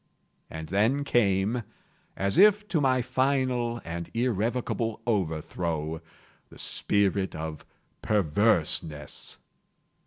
And then came, as if to my final and irrevocable overthrow, the spirit of PERVERSENESS.